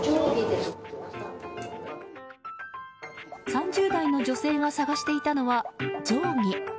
３０代の女性が探していたのは定規。